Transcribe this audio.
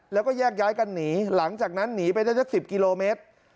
แล้วก็แยกย้ายกันหนีหลังจากนั้นหนีไปได้สัก๑๐กิโลเมตร